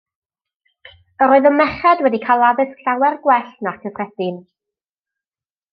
Yr oedd y merched wedi cael addysg llawer gwell na'r cyffredin.